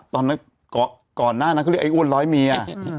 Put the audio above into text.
ตอนนั้นก่อนหน้านั้นเขาเรียกว่าไอ้อ้วนร้อยเมีย